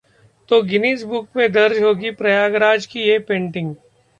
...तो Guinness book में दर्ज होगी प्रयागराज की ये पेंटिंग!